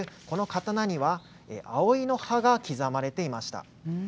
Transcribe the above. この刀には、葵の葉が刻まれていました。